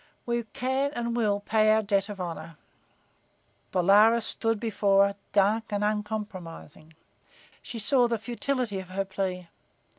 We can and will pay our debt of honor." Bolaroz stood before her, dark and uncompromising. She saw the futility of her plea.